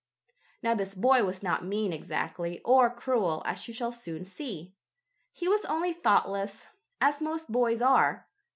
Now this boy was not mean exactly, or cruel, as you shall soon see. He was only thoughtless, as most boys are.